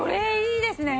いいですね。